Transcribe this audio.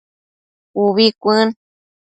Ubi cuën